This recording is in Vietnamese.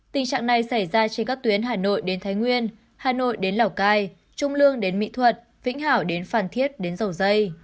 tình trạng này xảy ra trên các tuyến hà nội đến thái nguyên hà nội đến lào cai trung lương đến mỹ thuật vĩnh hảo đến phan thiết đến dầu dây